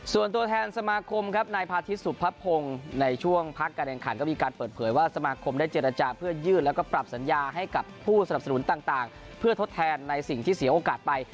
ส่วนตัวแทนสมาคมครับนายพาทิตยสุภพงศ์ในช่วงพักการแข่งขันก็มีการเปิดเผยว่าสมาคมได้เจรจาเพื่อยื่นแล้วก็ปรับสัญญาให้กับผู้สนับสนุนต่างเพื่อทดแทนในสิ่งที่เสียโอกาสไป